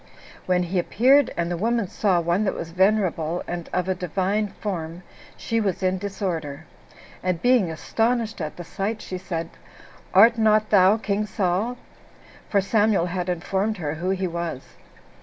When he appeared, and the woman saw one that was venerable, and of a divine form, she was in disorder; and being astonished at the sight, she said, "Art not thou king Saul?" for Samuel had informed her who he was.